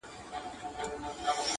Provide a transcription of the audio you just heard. • ویاله چي هر څو کاله سي وچه -